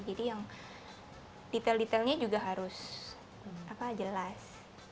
jadi yang detail detailnya juga harus jelas